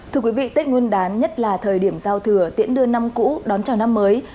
thưa quý vị tết nguyên đán nhất là thời điểm giao thừa tiễn đưa năm cũ đón chào năm mới